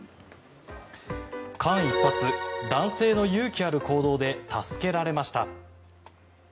間一髪男性の勇気ある行動で助けられました。